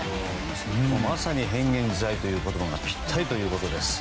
まさに変幻自在という言葉がぴったりということです。